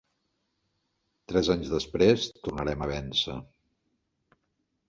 Tres anys després, tornarem a vèncer.